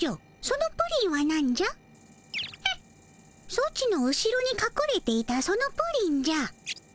ソチの後ろにかくれていたそのプリンじゃ。